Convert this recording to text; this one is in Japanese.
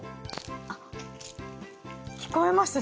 あっ聞こえました？